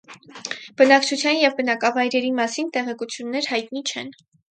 Բնակչության և բնակավայրերի մասին տեղեկություններ հայտնի չեն։